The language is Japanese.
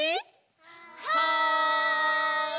はい！